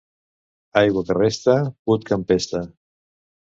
Aigua que resta, put que empesta.